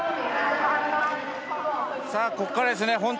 ここからですね。